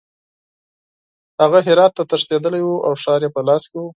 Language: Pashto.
هغه هرات ته تښتېدلی وو او ښار یې په لاس کې وو.